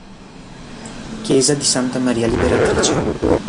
Chiesa di Santa Maria Liberatrice